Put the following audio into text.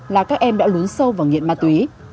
là các em đã lún sâu vào nghiện ma túy